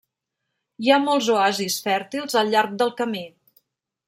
Hi ha molts oasis fèrtils al llarg del camí.